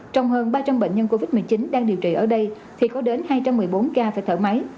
trong hơn ba trăm linh bệnh nhân covid một mươi chín đang điều trị ở đây thì có đến hai trăm một mươi bốn ca phải thở máy